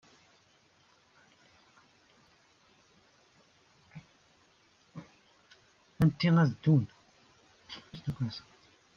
Atni ad ddun.